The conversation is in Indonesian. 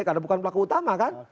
karena bukan pelaku utama kan